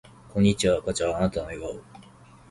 こんにちは赤ちゃんあなたの笑顔